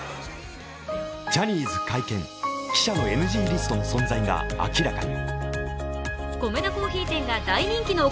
ジャニーズ会見、記者のＮＧリストの存在が明らかに。